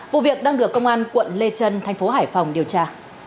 vụ việc đang được công an quận lê trân thành phố hải phòng điều tra